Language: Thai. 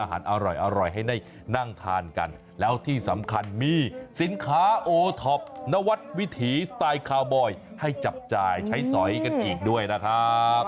อร่อยให้ได้นั่งทานกันแล้วที่สำคัญมีสินค้าโอท็อปนวัดวิถีสไตล์คาวบอยให้จับจ่ายใช้สอยกันอีกด้วยนะครับ